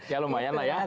ya lumayan lah ya